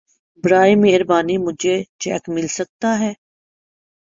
براہ مہربانی مجهے چیک مل سکتا ہے